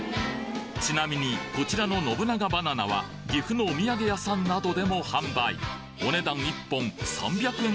ちなみにこちらの信長バナナは岐阜のお土産屋さんなどでも販売お値段１本３００円